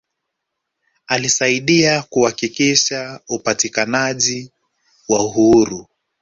Alisaidia kuharakisha upatikanaji wa uhuru